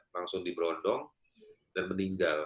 langsung diberondong dan meninggal